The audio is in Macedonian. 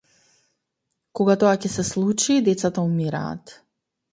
Кога тоа ќе се случи децата умираат.